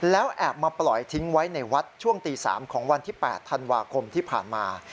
แล้วแอบมาปล่อยทิ้งไว้ในวัดช่วงตี๓ของวันที่๘ธันวาคมที่ผ่านมา